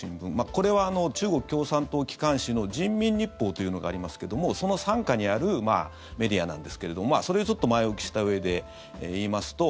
これは中国共産党機関紙の人民日報というのがありますけどその傘下にあるメディアですけどそれをちょっと前置きしたうえで言いますと